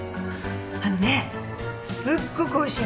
あのねすっごくおいしい